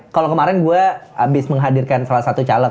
kalau kemarin gue habis menghadirkan salah satu caleg